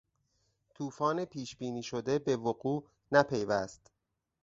توفان پیش بینی شده به وقوع نپیوست.